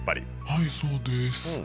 はいそうです。